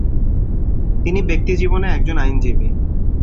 তিনি ব্যক্তিজীবনে একজন আইনজীবী।